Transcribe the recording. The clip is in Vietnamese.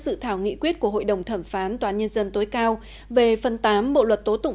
dự thảo nghị quyết của hội đồng thẩm phán tòa án nhân dân tối cao về phần tám bộ luật tố tụng